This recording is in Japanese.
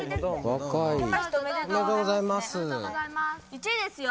１位ですよ。